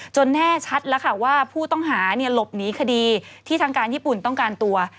แน่ชัดแล้วค่ะว่าผู้ต้องหาหลบหนีคดีที่ทางการญี่ปุ่นต้องการตัว